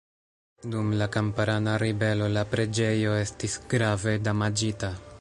Dum la Kamparana ribelo la preĝejo estis grave damaĝita.